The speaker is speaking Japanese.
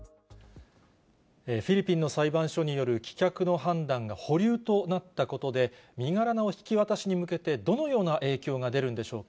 フィリピンの裁判所による棄却の判断が保留となったことで、身柄の引き渡しに向けてどのような影響が出るんでしょうか。